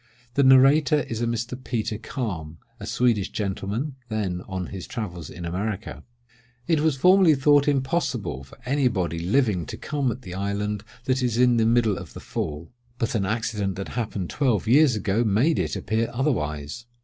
The narrator is a Mr. Peter Kalm, a Swedish gentleman, then on his travels in America:— "It was formerly thought impossible for any body living to come at the island that is in the middle of the Fall; but an accident that happened twelve years ago made it appear otherwise.